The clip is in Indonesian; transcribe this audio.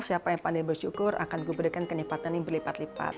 siapa yang pandai bersyukur akan diberikan kenipatan yang berlipat lipat